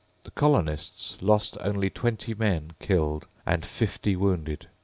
The colonists lost only twenty men killed and fifty wounded.